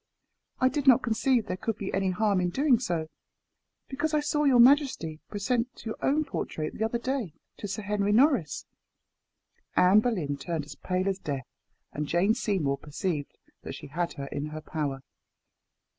I did not conceive there could be any harm in doing so, because I saw your majesty present your own portrait, the other day, to Sir Henry Norris." Anne Boleyn turned as pale as death, and Jane Seymour perceived that she had her in her power.